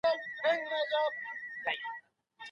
هغه به ولاړی .